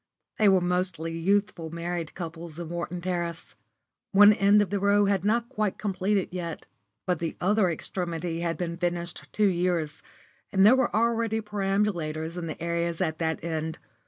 They were mostly youthful married couples in Wharton Terrace. One end of the row was not quite completed yet, but the other extremity had been finished two years, and there were already perambulators in the areas at that end.